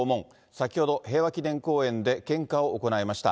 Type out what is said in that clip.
先ほど、平和記念公園で献花を行いました。